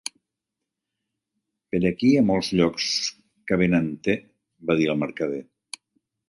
"Per aquí hi ha molts llocs que venen te", va dir el mercader.